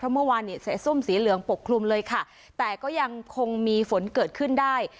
ใส้ส้มสีเหลืองปกครุมเลยค่ะแต่ก็ยังคงมีฝนเกิดขึ้นได้